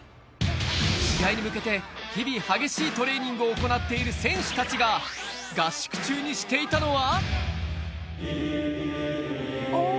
試合に向けて日々激しいトレーニングを行っている選手たちが、合宿中にしていたのは。